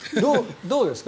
どうですか？